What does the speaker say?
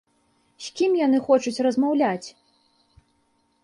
З кім яны хочуць размаўляць?